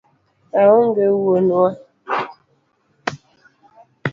Aonge wuonwa